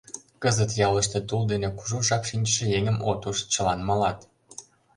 Кызыт ялыште тул дене кужу жап шинчыше еҥым от уж, чылан малат.